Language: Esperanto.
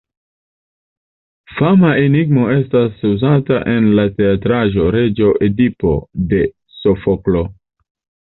Fama enigmo estas uzata en la teatraĵo "Reĝo Edipo" de Sofoklo.